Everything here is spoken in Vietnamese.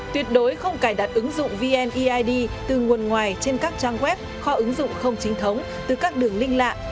tuyệt đối không cài đặt ứng dụng vneid từ nguồn ngoài trên các trang web kho ứng dụng không chính thống từ các đường linh lạ